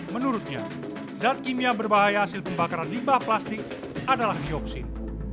menurutnya zat kimia berbahaya hasil pembakaran limbah plastik adalah dioksin